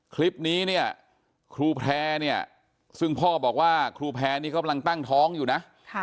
คลิปนี้เนี่ยครูแพร่เนี่ยซึ่งพ่อบอกว่าครูแพร่นี่กำลังตั้งท้องอยู่นะ